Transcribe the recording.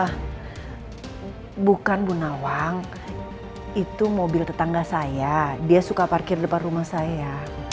karena bukan bu nawang itu mobil tetangga saya dia suka parkir depan rumah saya